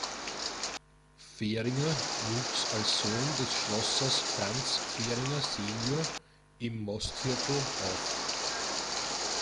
Fehringer wuchs als Sohn des Schlossers Franz Fehringer senior im Mostviertel auf.